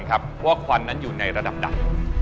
ทางนั้นอยู่ในระดับดัน